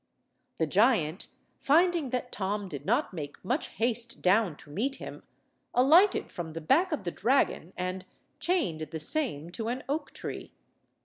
The giant, finding that Tom did not make much haste down to meet him, alighted from the back of the dragon, and chained the same to an oak–tree.